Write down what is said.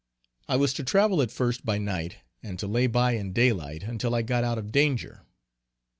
I was to travel at first by night, and to lay by in daylight, until I got out of danger.